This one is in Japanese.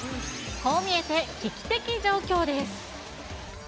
こう見えて危機的状況です。